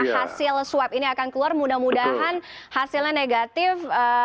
hasil swab ini akan keluar mudah mudahan hasilnya negatif